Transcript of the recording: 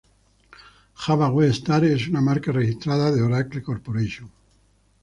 Java Web Start es una marca registrada de Oracle Corporation.